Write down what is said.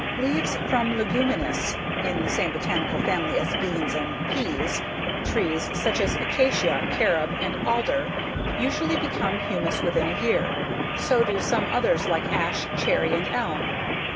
Leaves from leguminous (in the same botanical family as beans and peas) trees such as acacia, carob, and alder usually become humus within a year. So do some others like ash, cherry, and elm.